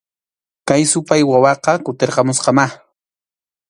Kay supay wawaqa kutirqamusqamá